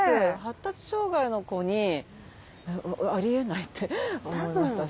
発達障害の子にありえないって思いました。